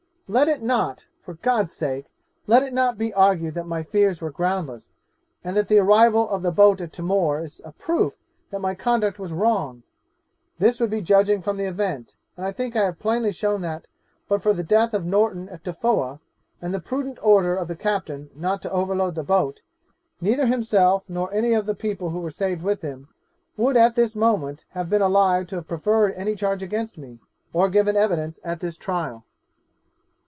'Let it not for God's sake let it not be argued that my fears were groundless, and that the arrival of the boat at Timor is a proof that my conduct was wrong. This would be judging from the event, and I think I have plainly shown that, but for the death of Norton at Tofoa, and the prudent order of the captain not to overload the boat, neither himself nor any of the people who were saved with him, would at this moment have been alive to have preferred any charge against me, or given evidence at this trial.